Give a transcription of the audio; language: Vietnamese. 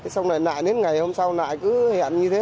xong rồi lại đến ngày hôm sau lại cứ hẹn như thế